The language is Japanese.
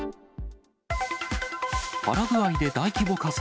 パラグアイで大規模火災。